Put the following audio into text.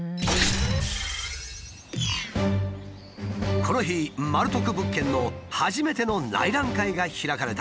この日マル得物件の初めての内覧会が開かれた。